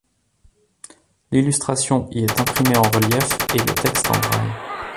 L'illustration y est imprimée en relief, et le texte en braille.